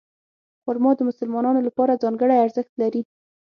خرما د مسلمانانو لپاره ځانګړی ارزښت لري.